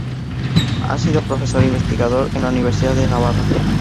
Ha sido profesor investigador en la Universidad de Navarra.